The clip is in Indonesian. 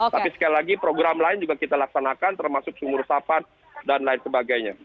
tapi sekali lagi program lain juga kita laksanakan termasuk sumur sapan dan lain sebagainya